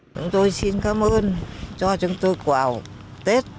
chúng tôi xin cảm ơn cho chúng tôi quà tết